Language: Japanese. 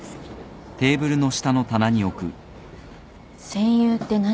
戦友って何？